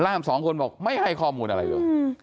สองคนบอกไม่ให้ข้อมูลอะไรเลย